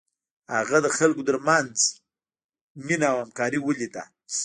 هغه د خلکو تر منځ مینه او همکاري ولیده.